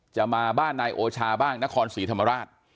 จะมาบ้านนายโอชาบ้างนครศรีธรรมราช